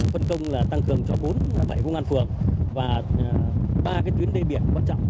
phân công là tăng cường cho bốn bảy vùng an phường và ba tuyến đê biển quan trọng